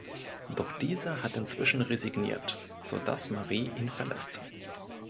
Doch dieser hat inzwischen resigniert, sodass Marie ihn verlässt.